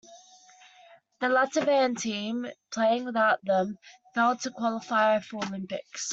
The Latvian team, playing without them, failed to qualify for Olympics.